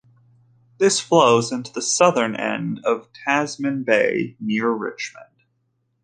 This flows into the southern end of Tasman Bay near Richmond.